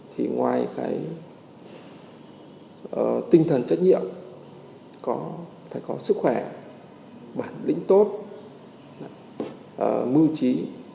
thì ngoài cái tinh thần trách nhiệm phải có sức khỏe bản lĩnh tốt mưu trí